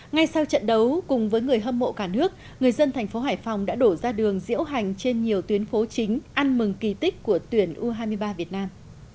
ngay sau trận đấu cùng với người hâm mộ cả nước người dân thành phố hải phòng đã đổ ra đường diễu hành trên nhiều tuyến phố chính ăn mừng kỳ tích của tuyển u hai mươi ba việt nam